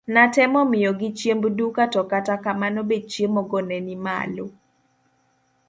Natemo miyogi chiemb duka to kata kamano bech chiemo go ne ni malo.